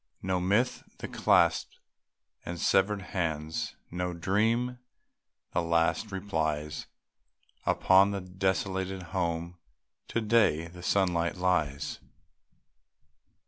No myth, the clasped and severed hands, No dream, the last replies. Upon the desolated home To day, the sunlight lies.